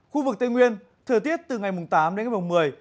khu vực tây nguyên thời tiết từ ngày tám đến ngày một mươi